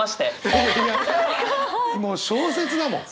いやもう小説だもん！